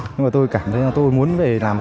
nhưng mà tôi cảm thấy là tôi muốn về làm